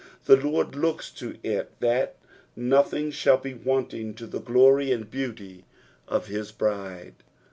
The Lord looks to it that nothing shall he wautiog to tho glory and beauty of his bride.